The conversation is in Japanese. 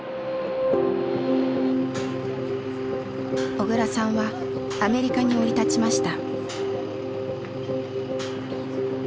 小倉さんはアメリカに降り立ちました。